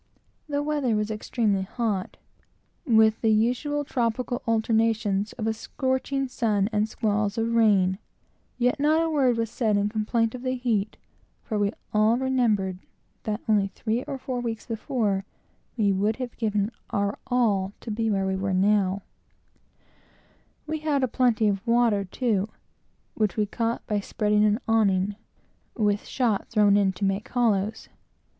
The weather was extremely hot, with the usual tropical alternations of a scorching sun and squalls of rain; yet not a word was said in complaint of the heat, for we all remembered that only three or four weeks before we would have given nearly our all to have been where we now were. We had plenty of water, too, which we caught by spreading an awning, with shot thrown in to make hollows.